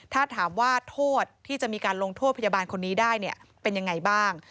ถ้าถามว่าโทษที่จะมีการลงโทษพยาบาลคนนี้ได้เนี่ยเป็นยังไงบ้าง